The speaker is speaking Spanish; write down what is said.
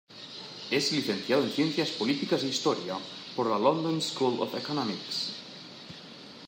Es licenciado en Ciencias Políticas e Historia por la London School of Economics.